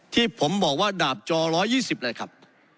ที่ผมบอกว่าดาบจอ๑๒๐เลยครับ